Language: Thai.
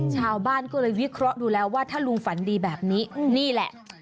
ชาวบ้านก็เลยวิเคราะห์ดูแล้วว่าถ้าลุงฝันดีแบบนี้นี่แหละ